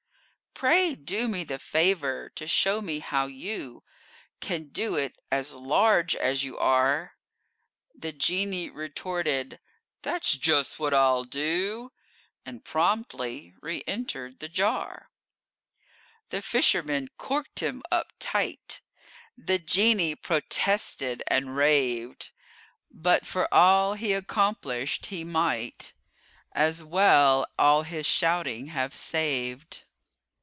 Pray do me the favor to show me how you Can do it, as large as you are." The genie retorted: "That's just what I'll do!" And promptly reëntered the jar. The fisherman corked him up tight: The genie protested and raved, But for all he accomplished, he might As well all his shouting have saved.